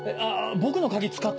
僕の鍵使って。